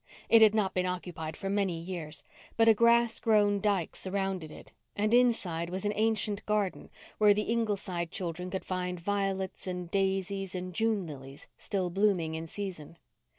It had not been occupied for many years, but a grass grown dyke surrounded it and inside was an ancient garden where the Ingleside children could find violets and daisies and June lilies still blooming in season.